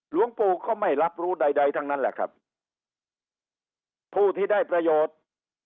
หลวงปู่ก็ไม่รับรู้ใดใดทั้งนั้นแหละครับผู้ที่ได้ประโยชน์